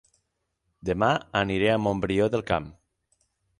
Dema aniré a Montbrió del Camp